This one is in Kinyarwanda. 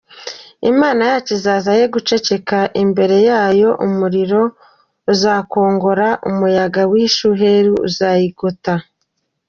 Imana yacu izaza ye guceceka, Imbere yayo umuriro uzakongora, Umuyaga w’ishuheri uzayigota.